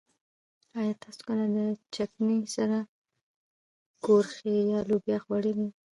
ايا تاسو کله د چکنۍ سره کورخې يا لوبيا خوړلي؟